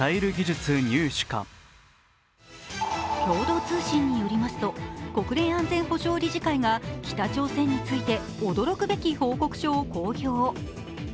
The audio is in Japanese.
共同通信によりますと、国連安全保障理事会が北朝鮮について驚くべき報告書を公表。